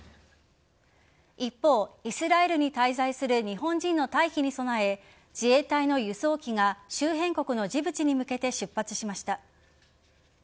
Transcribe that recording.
一方、イスラエルに滞在する日本人の退避に備え自衛隊の輸送機が周辺国のジブチに向けて出発しました。